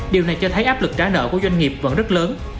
điều này cho thấy áp lực trả nợ của doanh nghiệp vẫn rất lớn